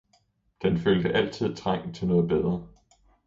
den følte altid trang til noget bedre.